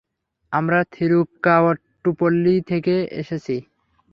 আমরা থিরুক্কাট্টুপল্লী থেকে এসেছি।